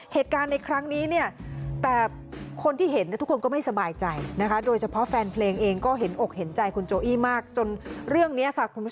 เหตุการณ์ในครั้งนี้เนี่ยแต่คนที่เห็นทุกคนก็ไม่สบายใจนะคะ